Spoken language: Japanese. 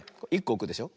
１こおくでしょ。